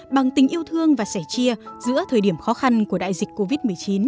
bằng tình yêu thương và sẻ chia giữa thời điểm khó khăn của đại dịch covid một mươi chín